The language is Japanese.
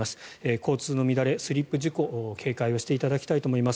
交通の乱れ、スリップ事故警戒していただきたいと思います。